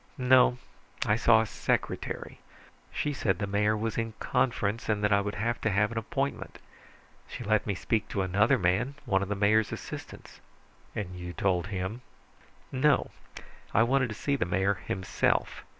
"No. I saw a secretary. She said the mayor was in conference, and that I would have to have an appointment. She let me speak to another man, one of the mayor's assistants." "And you told him?" "No. I wanted to see the mayor himself.